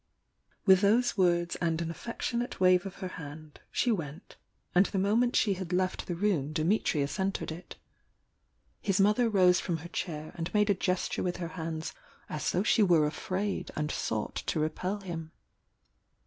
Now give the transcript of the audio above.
With those words and an affectionate wave of her hand, she went, — and the moment she had left the Ill If ; 240 THE YOUNG DIANA room Dimitrius entered it. His mother rose from her chair, and made a gesture with her hands aa though she were afraid and sought to repel hun.